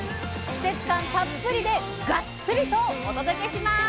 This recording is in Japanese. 季節感たっぷりでガッツリとお届けします！